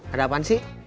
ada apaan sih